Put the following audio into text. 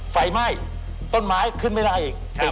ไฟไหม้ต้นไม้ขึ้นไม่ได้อีก